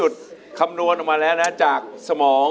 ชอบกันชอบกัน